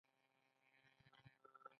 ان لکه په نوکران، پاچاهان او نور کې.